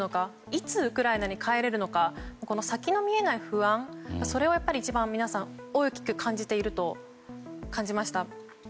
いつウクライナに帰れるのかこの先の見えない不安それを一番皆さん大きく感じていると感じました。